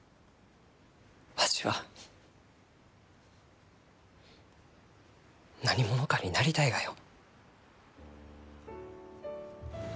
わしは何者かになりたいがよ。